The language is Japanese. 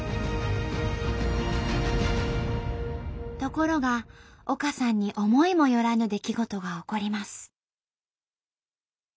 ところが丘さんに思いもよらぬ出来事が起こります。